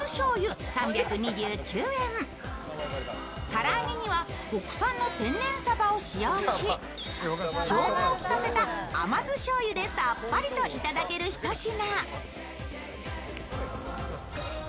から揚げには国産の天然サバを使用し、しょうがをきかせた甘酢しょうゆでさっぱりといただける一品。